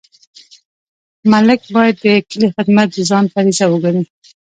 ملک باید د کلي خدمت د ځان فریضه وګڼي.